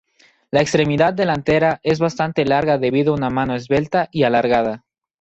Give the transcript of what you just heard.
La extremidad delantera es bastante larga debido a una mano esbelta y alargada.